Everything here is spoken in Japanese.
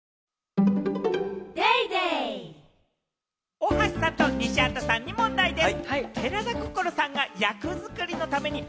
大橋さんと西畑さんに問題です。